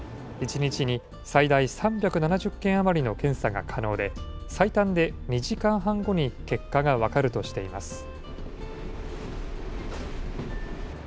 １日に最大３７０件余りの検査が可能で、最短で２時間半後に結果が分かるとしています。